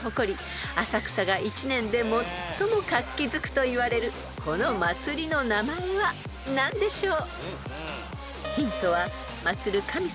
［といわれるこの祭りの名前は何でしょう］